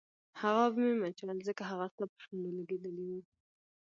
هغه به مې مچول ځکه هغه ستا پر شونډو لګېدلي وو.